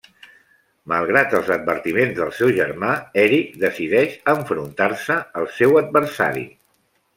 Malgrat els advertiments del seu germà, Eric decideix enfrontar-se al seu adversari.